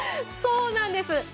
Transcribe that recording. そうなんです！